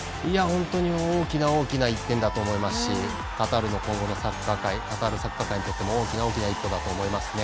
本当に大きな大きな１点だと思いますしカタールの今後のサッカー界にとっても大きな大きな一歩だと思いますね。